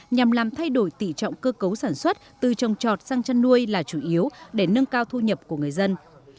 nhằm làm thay đổi tỷ trọng cơ cấu sản xuất từ trồng trọt sang chăn nuôi là chủ yếu để nâng cao thu nhập của người dân